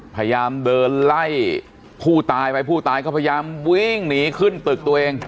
พยายามเดินไล่ผู้ตายไปผู้ตายก็พยายามวิ่งหนีขึ้นตึกตัวเอง